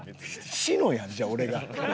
志乃やんじゃあ俺が。